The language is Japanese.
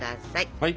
はい。